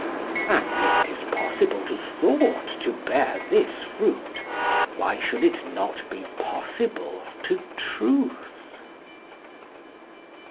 And if ŌĆÖtis possible to Thought to bear this fruit, Why should it not be possible to Truth?